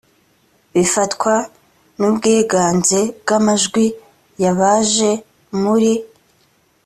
bifatwa n ubwiganze bw amajwi y abaje muri